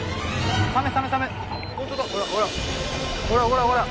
ほらほら。